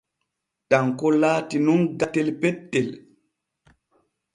Tanko laati nun gatel pettel.